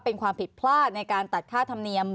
เป็นความผิดพลาดในการตัดค่าธรรมเนียม